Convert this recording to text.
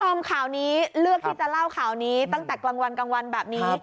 ห้องข่าวนี้เลือกที่จะเล่าข่าวนี้ตั้งแต่กลางวันแบบนี้